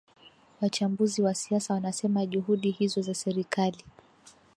wachambuzi wa siasa wanasema juhudi hizo za serikali